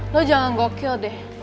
lo jangan gokil deh